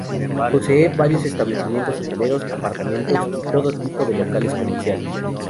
Posee varios establecimientos hoteleros, apartamentos y todo tipo de locales comerciales.